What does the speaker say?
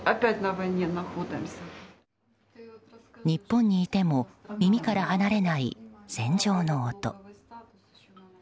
日本にいても耳から離れない戦場の音。